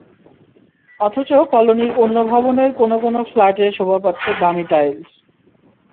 অথচ কলোনির অন্য ভবনের কোনো কোনো ফ্ল্যাটে শোভা পাচ্ছে দামি টাইলস।